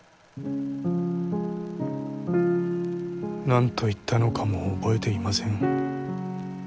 何と言ったのかも覚えていません。